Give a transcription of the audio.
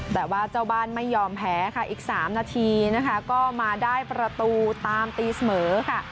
แต่ว่าเจ้าบ้านไม่ยอมแพ้ค่ะอีก๓นาทีนะคะก็มาได้ประตูตามตีเสมอค่ะ